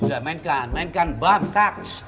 sudah mainkan mainkan bangkat